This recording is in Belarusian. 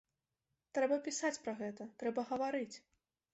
Трэба пісаць пра гэта, трэба гаварыць.